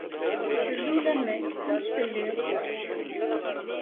Azul a Meg, amek tellid?